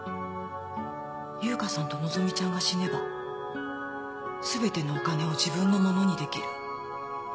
優香さんと希美ちゃんが死ねば全てのお金を自分のものにできる。